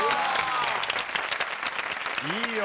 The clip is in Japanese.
いいよ。